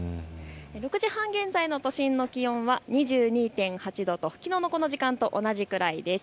６時半現在の都心の気温は２２．８度、きのうのこの時間と同じくらいです。